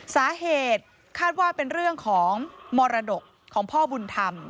สาเหตุคาดว่าเป็นเรื่องของมรดกของพ่อบุญธรรม